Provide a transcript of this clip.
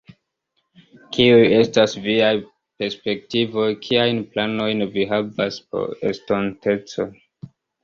Kiuj estas viaj perspektivoj, kiajn planojn vi havas por la estonteco?